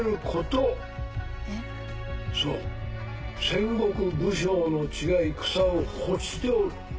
戦国武将の血が戦を欲しておる。